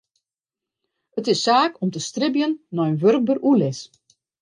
It is saak om te stribjen nei in wurkber oerlis.